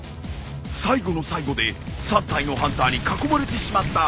最後の最後で３体のハンターに囲まれてしまった！